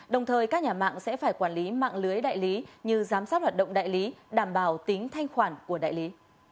đồng thời các nhà mạng sẽ phải quản lý mạng lưới đại lý như giám sát hoạt động đại lý đảm bảo tính thanh khoản của đại lý